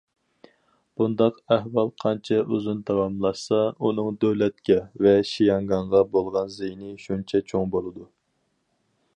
بۇنداق ئەھۋال قانچە ئۇزۇن داۋاملاشسا، ئۇنىڭ دۆلەتكە ۋە شياڭگاڭغا بولغان زىيىنى شۇنچە چوڭ بولىدۇ.